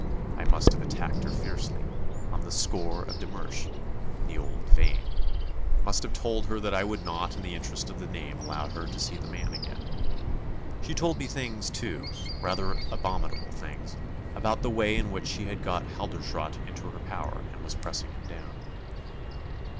I must have attacked her fiercely on the score of de Mersch, in the old vein; must have told her that I would not in the interest of the name allow her to see the man again. She told me things, too, rather abominable things, about the way in which she had got Halderschrodt into her power and was pressing him down.